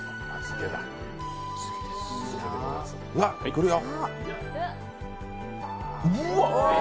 来るよ。